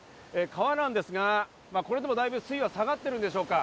川なんですが、これでもだいぶ水位は下がってるんでしょうか。